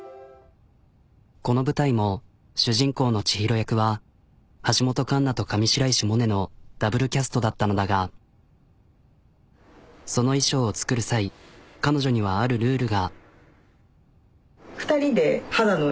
この舞台も主人公の千尋役は橋本環奈と上白石萌音のダブルキャストだったのだがその衣装を作る際彼女にはあるルールが。